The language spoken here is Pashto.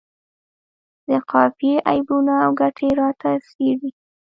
د قافیې عیبونه او ګټې راته څیړي.